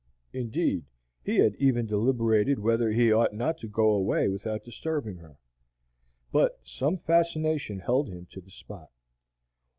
Indeed, he had even deliberated whether he ought not to go away without disturbing her. But some fascination held him to the spot.